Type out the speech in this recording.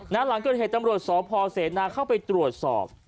นั้นหลังก็เห็นตำรวจสอบพอเสนาเข้าไปตรวจสอบ